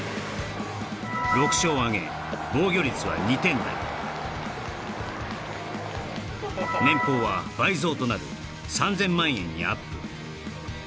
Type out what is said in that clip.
６勝をあげ防御率は２点台年俸は倍増となる３０００万円にアップ